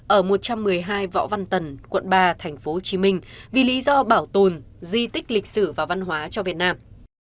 ở một trăm một mươi hai võ văn tần quận ba tp hcm vì lý do bảo tồn di tích lịch sử và văn hóa cho việt nam